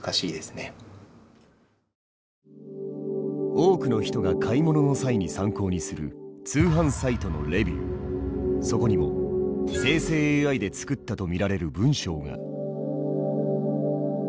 多くの人が買い物の際に参考にするそこにも生成ＡＩで作ったと見られる文章が。